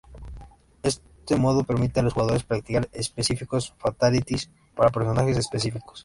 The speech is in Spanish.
Este modo permite a los jugadores practicar específicos Fatalities para personajes específicos.